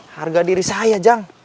harga diri saya jang